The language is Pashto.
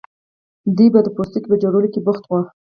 دوی به د پوستکو په جوړولو هم بوخت وو.